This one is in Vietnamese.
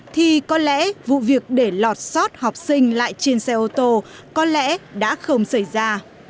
thì có lẽ vụ việc để lọt sót học sinh lại trên xe ô tô có lẽ đã không xảy ra